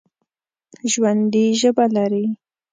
ژوندي ژبه لري